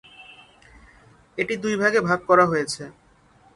এটি দুই ভাগে ভাগ করা হয়েছেঃ